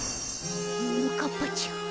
ももかっぱちゃん。